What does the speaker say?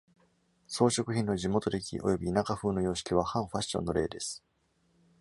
装飾品の地元的及び田舎風の様式は反ファッションの例です。